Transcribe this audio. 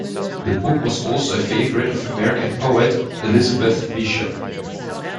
The book was also a favourite of American poet, Elizabeth Bishop.